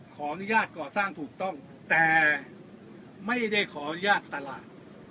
ขออนุญาตก่อสร้างถูกต้องแต่ไม่ได้ขออนุญาตตลาด